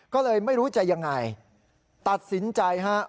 ก็เลยไม่รู้จะยังไงตัดสินใจฮะ